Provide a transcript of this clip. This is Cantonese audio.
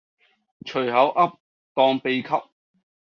隨口噏當秘笈